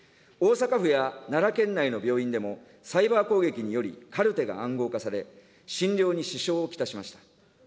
大阪府や奈良県内の病院でも、サイバー攻撃により、カルテが暗号化され、診療に支障を来しました。